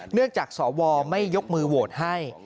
เนื่องจากสวไม่ยกมือโหวตให้